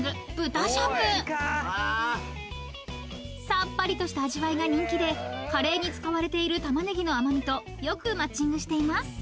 ［さっぱりとした味わいが人気でカレーに使われているタマネギの甘味とよくマッチングしています］